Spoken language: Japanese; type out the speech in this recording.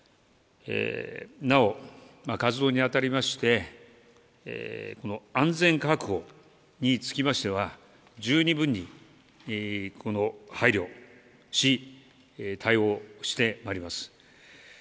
なお、活動に当たりまして、この安全確保につきましては、十二分にこの配慮し、対応してまいります。